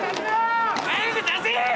・早く出せ！